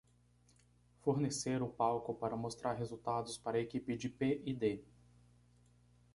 Fornecer o palco para mostrar resultados para a equipe de P & D